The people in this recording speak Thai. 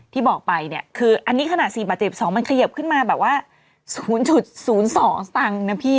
ที่บอกไปเนี่ยคืออันนี้ขนาด๔บาทเจ็บ๒มันเขยิบขึ้นมาแบบว่า๐๐๒สตางค์นะพี่